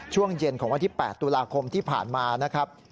ช่วงเย็นของวันที่๘ตุลาคมที่ผ่านมานะครับ